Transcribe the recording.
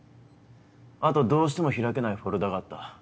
あとどうしても開けないフォルダがあった。